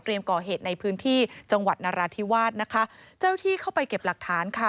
ก่อเหตุในพื้นที่จังหวัดนราธิวาสนะคะเจ้าที่เข้าไปเก็บหลักฐานค่ะ